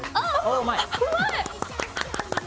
うまい！